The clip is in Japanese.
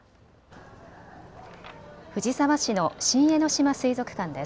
藤沢市の新江ノ島水族館です。